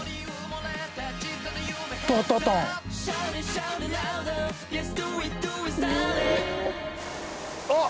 タタタンあっ